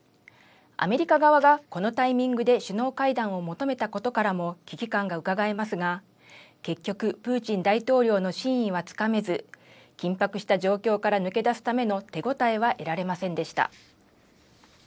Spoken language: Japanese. アメリカ側がこのタイミングで首脳会談を求めたことからも危機感がうかがえますが、結局プーチン大統領の真意はつかめず、緊迫した状況から抜け出すための手応えは得られませんでした。